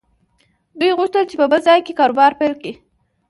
دوی غوښتل چې په بل ځای کې کاروبار پيل کړي.